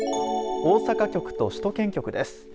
大阪局と首都圏局です。